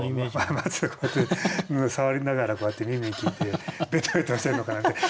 松をこうやって触りながらこうやって見に行っててべとべとしてるのかなって。